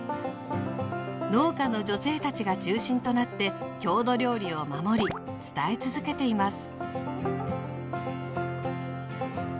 農家の女性たちが中心となって郷土料理を守り伝え続けています。